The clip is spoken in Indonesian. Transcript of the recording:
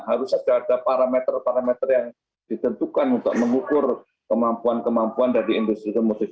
harus ada parameter parameter yang ditentukan untuk mengukur kemampuan kemampuan dari industri industri